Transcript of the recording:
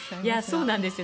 そうなんですよね。